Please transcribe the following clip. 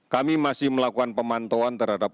kami masih melakukan pemantauan terhadap